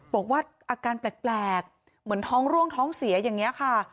บอกว่าอาการแปลกเหมือนท้องร่วงท้องเสียอย่างนี้ค่ะ